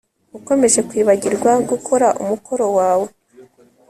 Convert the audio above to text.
Ukomeje kwibagirwa gukora umukoro wawe